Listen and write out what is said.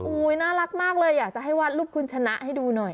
น่ารักมากเลยอยากจะให้วาดรูปคุณชนะให้ดูหน่อย